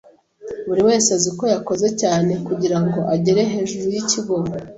Buriwese azi ko yakoze cyane kugirango agere hejuru yikigo.